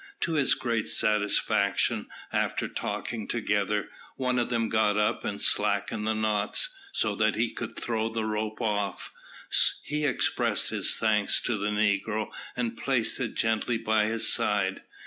To his great satisfaction, after talking together, one of them got up and slackened the knots, so that he could throw the rope off. He expressed his thanks to the negro, and placed it gently by his side.